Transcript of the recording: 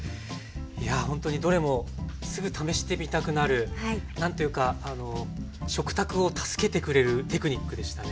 いやほんとにどれもすぐ試してみたくなる何ていうか食卓を助けてくれるテクニックでしたね。